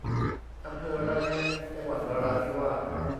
อำเภอระแงะ จังหวัดนราธิวาส